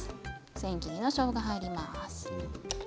千切りのしょうが、入ります。